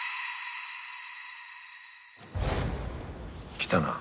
来たな。